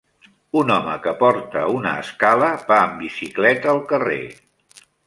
Un home que porta una escala va amb bicicleta al carrer